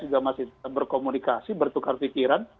juga masih berkomunikasi bertukar pikiran